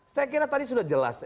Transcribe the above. saya kira tadi sudah jelas